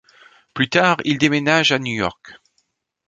Plus tard, ils déménagent à New York.